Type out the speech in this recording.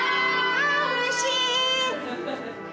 あうれしい。